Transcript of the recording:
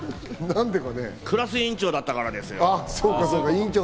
クラス委員長だったからなんですけど。